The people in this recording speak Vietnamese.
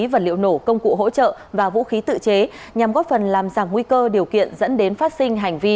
và liệu nổ công cụ hỗ trợ và vũ khí tự chế nhằm góp phần làm giảm nguy cơ điều kiện dẫn đến phát sinh hành vi